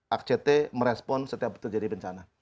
act merespon setiap terjadi bencana